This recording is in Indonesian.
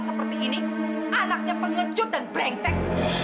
seperti ini anaknya pengecut dan brengsek